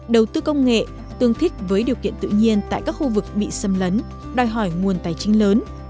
đầu tư công nghệ tương thích với điều kiện tự nhiên tại các khu vực bị xâm lấn đòi hỏi nguồn tài chính lớn